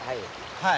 はい。